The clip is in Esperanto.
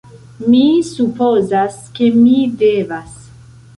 Mi supozas ke mi devas.